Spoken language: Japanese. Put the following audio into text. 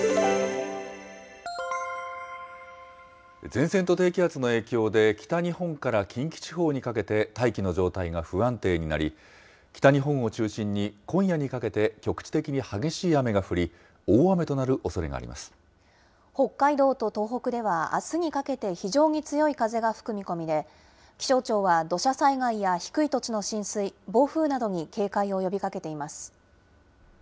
前線と低気圧の影響で北日本から近畿地方にかけて、大気の状態が不安定になり、北日本を中心に今夜にかけて局地的に激しい雨が降り、大雨となる北海道と東北では、あすにかけて非常に強い風が吹く見込みで、気象庁は土砂災害や低い土地の浸水、暴風などに警戒を呼びかけています。